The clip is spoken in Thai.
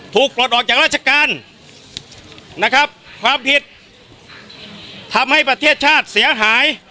ปลดออกจากราชการนะครับความผิดทำให้ประเทศชาติเสียหาย